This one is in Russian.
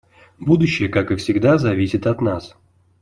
Будущее, как и всегда, зависит от нас.